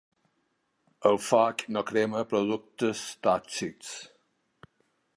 El foc no crema productes tòxics.